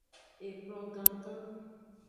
Ekplon gangan.